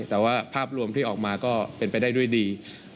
แต่ว่าภาพรวมที่ออกมาก็เป็นไปได้ด้วยดี